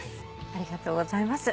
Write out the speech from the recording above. ありがとうございます。